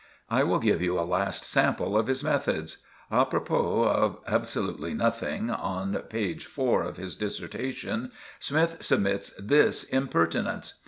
I will give you a last sample of his methods. A propos of absolutely nothing, on page four of his dissertation, Smythe submits this impertinence.